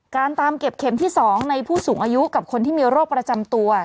ตามเก็บเข็มที่๒ในผู้สูงอายุกับคนที่มีโรคประจำตัว